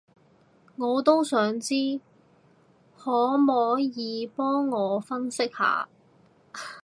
我都想知，可摸耳幫我分析下